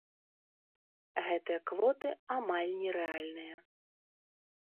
Гэтыя квоты амаль нерэальныя.